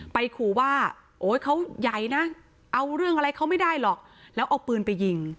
ขู่ว่าโอ๊ยเขาใหญ่นะเอาเรื่องอะไรเขาไม่ได้หรอกแล้วเอาปืนไปยิง